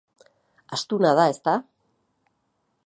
Astuna da, ezta?